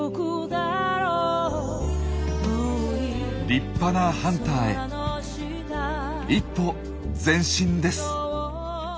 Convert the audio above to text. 立派なハンターへ一歩前進です。